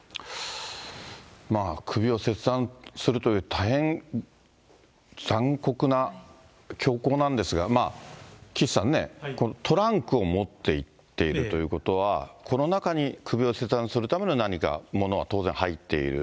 首を切断するという大変残酷な、凶行なんですが、岸さんね、トランクを持っていっているということは、この中に首を切断するための何か、物は当然入っている。